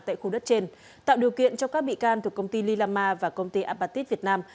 tại khu đất trên tạo điều kiện cho các bị can thuộc công ty lila ma và công ty apatit việt nam